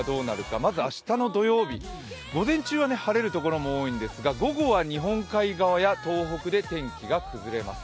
まず明日の土曜日、午前中は晴れる所も多いんですが、午後は日本海側や東北で天気が崩れます。